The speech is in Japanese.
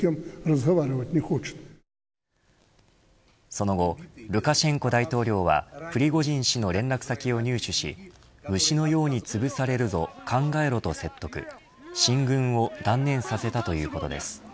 その後、ルカシェンコ大統領はプリゴジン氏の連絡先を入手し虫のようにつぶされるぞ考えろ、と説得進軍を断念させたということです。